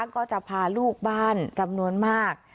ก็จะพาลูกบ้านจำนวนมาก